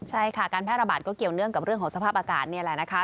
ใช่ค่ะการแพร่ระบาดก็เกี่ยวเนื่องกับเรื่องของสภาพอากาศนี่แหละนะคะ